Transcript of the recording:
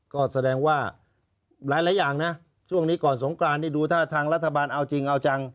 ก็แสดงว่าหลายอย่างนะช่วงนี้ก่อนสงกรานนี่ดูท่าทางรัฐบาลเอาจริงเอาจัง